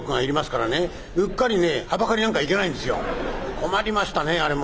困りましたねあれも。